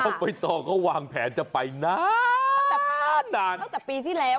ต้องไปต่อก็วางแผนจะไปนานต้องแต่พันต้องแต่ปีที่แล้ว